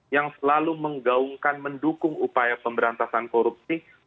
yang selalu menggaungkan mendukung upaya pemberantasan korupsi tapi realisatinya tidak